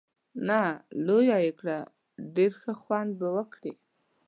نه، لویه یې کړه، ډېر ښه خوند به وکړي.